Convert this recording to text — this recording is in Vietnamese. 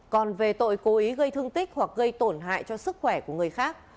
còn về tội cố ý gây thương tích hoặc gây tổn hại cho sức khỏe của người khác